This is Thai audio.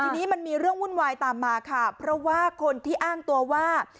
ทีนี้มันมีเรื่องวุ่นวายตามมาค่ะเพราะว่าคนที่อ้างตัวว่า